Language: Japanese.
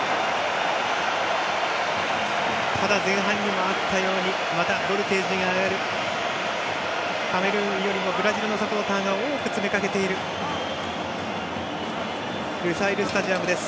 ただ前半にもあったようにまたボルテージが上がるカメルーンよりもブラジルのサポーターが多く詰め掛けているルサイルスタジアムです。